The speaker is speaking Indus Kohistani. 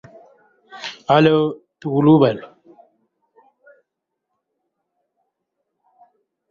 اُو ݜے حُکُم تھُو چے اسی مہ قبلان٘لہ واں کِریا